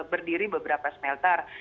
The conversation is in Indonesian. berdiri beberapa smelter